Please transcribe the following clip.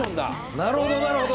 なるほどなるほど。